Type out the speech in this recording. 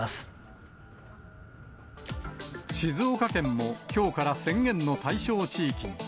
静岡県も、きょうから宣言の対象地域に。